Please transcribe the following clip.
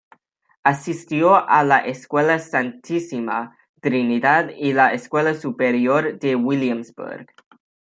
Asistió a la Escuela Santísima Trinidad y la Escuela Superior de Williamsburg.